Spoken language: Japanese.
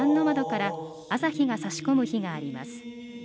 窓から朝日が差し込む日があります。